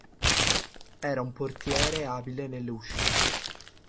Era un portiere abile nelle uscite.